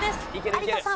有田さん。